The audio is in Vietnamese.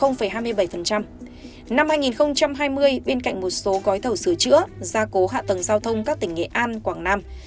năm hai nghìn hai mươi bên cạnh một số gói thầu sửa chữa gia cố hạ tầng giao thông các tỉnh nghệ an quảng nam